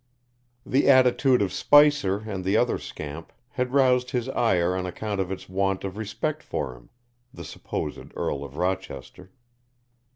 The attitude of Spicer and the other scamp had roused his ire on account of its want of respect for him, the supposed Earl of Rochester.